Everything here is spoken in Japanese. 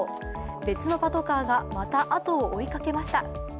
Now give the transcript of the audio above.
別のパトカーがまたあとを追いかけました。